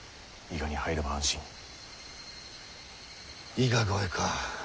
伊賀越えか。